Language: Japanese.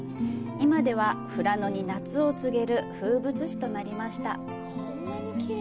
今では富良野に夏を告げる風物詩となりました。